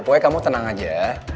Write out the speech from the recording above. pokoknya kamu tenang aja